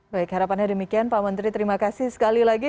baik harapannya demikian pak menteri terima kasih sekali lagi